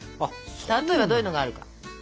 例えばどういうのがあるか。